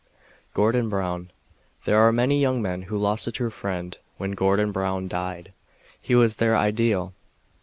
Gordon Brown There are many young men who lost a true friend when Gordon Brown died. He was their ideal.